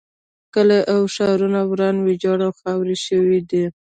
کلي او ښارونه وران ویجاړ او خاورې شوي دي.